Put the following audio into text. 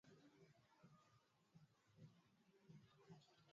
Aliacha ukulima huo baada ya mwani kupotea kwa kipindi cha miaka mitatu